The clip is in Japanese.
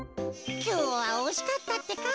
きょうはおしかったってか。